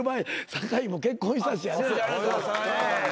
酒井も結婚したしやな。